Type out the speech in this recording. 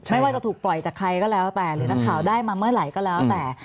ไม่ว่าจะถูกปล่อยจากใครก็แล้วแต่หรือนักข่าวได้มาเมื่อไหร่ก็แล้วแต่